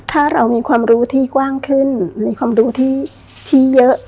ถ้าเรามีความรู้ที่กว้างขึ้นมีความรู้ที่เยอะ